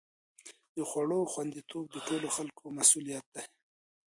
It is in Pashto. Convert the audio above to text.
د خوړو خوندي توب د ټولو خلکو مسؤلیت دی.